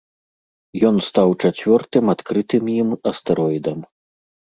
Ён стаў чацвёртым адкрытым ім астэроідам.